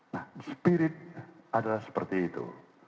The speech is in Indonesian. nah spirit adalah seperti itu